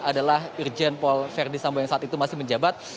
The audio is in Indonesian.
adalah irjen paul verdi sambo yang saat itu masih menjabat